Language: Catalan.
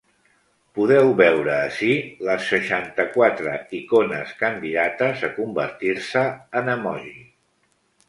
Podeu veure ací les seixanta-quatre icones candidates a convertir-se en emoji.